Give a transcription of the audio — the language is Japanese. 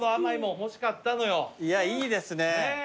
いやいいですね。ねぇ。